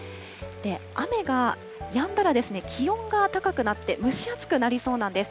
雨がやんだら気温が高くなって、蒸し暑くなりそうなんです。